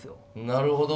なるほど。